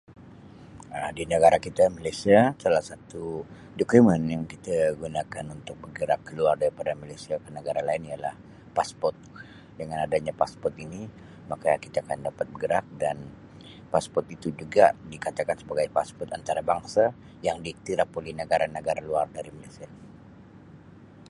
Um Di negara kita Malaysia salah satu dokumen yang kita gunakan untuk bergerak ke luar daripada Malaysia ke negara lain ialah pasport. Dengan adanya pasport ini maka kita akan dapat bergerak dan pasport itu juga dikatakan sebagai pasport antarabangsa yang diiktirap oleh negara-negara luar dari Malaysia.